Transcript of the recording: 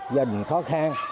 gia đình khó khăn